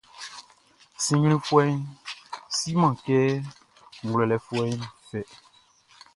Sinnglinfuɛʼn siman kɛ ngwlɛlɛfuɛʼn fɛ.